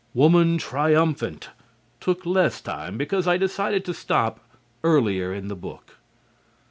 "Woman Triumphant" took less time because I decided to stop earlier in the book.